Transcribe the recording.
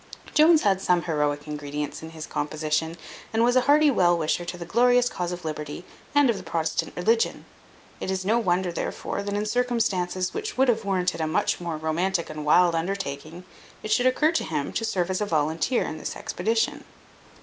Jones had some heroic ingredients in his composition, and was a hearty well wisher to the glorious cause of liberty, and of the Protestant religion. It is no wonder, therefore, that in circumstances which would have warranted a much more romantic and wild undertaking, it should occur to him to serve as a volunteer in this expedition.